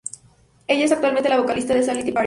Ella es actualmente la vocalista de Satellite Party.